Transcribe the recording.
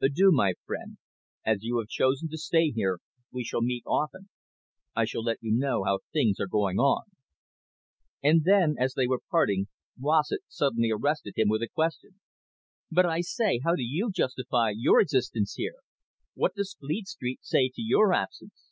Adieu, my friend. As you have chosen to stay here, we shall meet often. I shall let you know how things are going on." And then, as they were parting, Rossett suddenly arrested him with a question. "But, I say, how do you justify your existence here? What does Fleet Street say to your absence?"